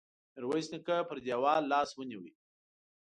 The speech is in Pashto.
ميرويس نيکه پر دېوال لاس ونيو.